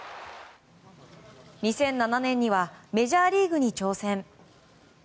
２００７年にはメジャーリーグに挑戦。